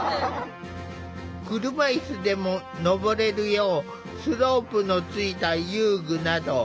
車いすでも上れるようスロープのついた遊具など。